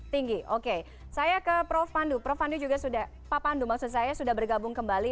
tinggi oke saya ke prof pandu prof pandu juga sudah pak pandu maksud saya sudah bergabung kembali